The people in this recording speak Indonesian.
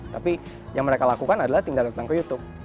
tapi yang mereka lakukan adalah tinggal datang ke youtube